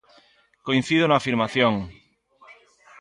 Coincido na afirmación.